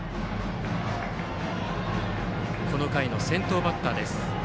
この回の先頭バッターです。